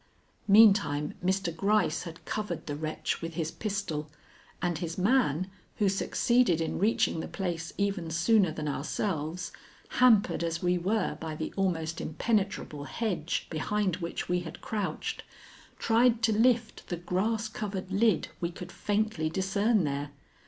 Meantime Mr. Gryce had covered the wretch with his pistol, and his man, who succeeded in reaching the place even sooner than ourselves, hampered as we were by the almost impenetrable hedge behind which we had crouched, tried to lift the grass covered lid we could faintly discern there.